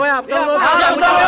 iya pak tahu tahu